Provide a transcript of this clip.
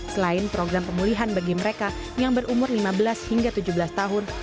selain program pemulihan bagi mereka yang berumur lima belas hingga tujuh belas tahun